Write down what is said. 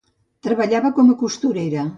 Treballava com a costurera.